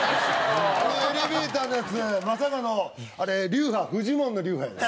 あのエレベーターのやつまさかのあれ流派フジモンの流派やで。